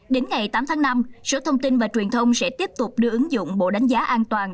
đến ngày tám tháng năm sở thông tin và truyền thông sẽ tiếp tục đưa ứng dụng bộ đánh giá an toàn